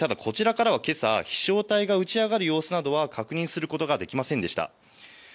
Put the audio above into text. ただ、こちらからは今朝、飛しょう体が打ち上がる様子などは確認することができませんでした。